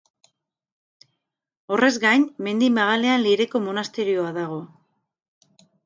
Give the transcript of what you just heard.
Horrez gain, mendi magalean Leireko monasterioa dago.